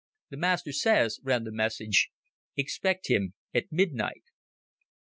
"The Master says," ran the message, "expect him at midnight."